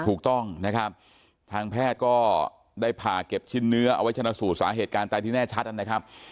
ถูกต้องนะครับทางแพทย์ก็ได้ผ่าเก็บชิ้นเนื้อเอาไว้ชนะสูตรสาเหตุการณ์ตายที่แน่ชัดนะครับ